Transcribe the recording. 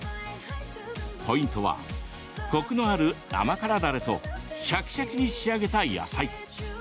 ポイントはコクのある甘辛だれとシャキシャキに仕上げた野菜。